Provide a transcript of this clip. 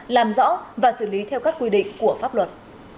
làm rõ và xử lý theo các quy định của pháp luật